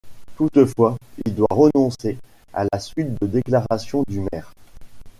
Toutefois, il doit renoncer, à la suite de déclarations du maire.